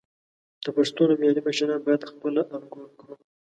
د پښتو نومیالي مشران باید خپله الګو کړو.